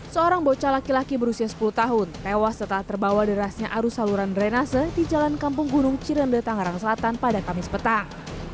seorang bocah laki laki berusia sepuluh tahun tewas setelah terbawa derasnya arus saluran drenase di jalan kampung gunung cirembe tangerang selatan pada kamis petang